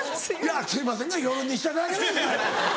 すいませんが夜にしていただけないですか。